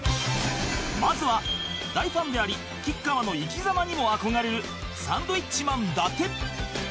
まずは大ファンであり吉川の生き様にも憧れるサンドウィッチマン伊達